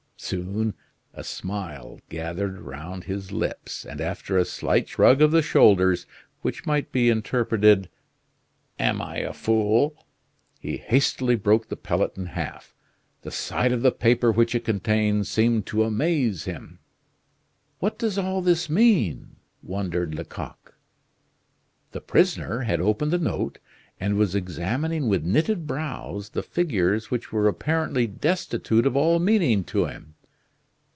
Soon a smile gathered round his lips, and after a slight shrug of the shoulders, which might be interpreted, "Am I a fool?" he hastily broke the pellet in half. The sight of the paper which it contained seemed to amaze him. "What does all this mean?" wondered Lecoq. The prisoner had opened the note, and was examining with knitted brows the figures which were apparently destitute of all meaning to him.